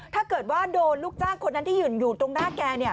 ถ้าเกิดว่าโดนลูกจ้างคนนั้นที่ยืนอยู่ตรงหน้าแก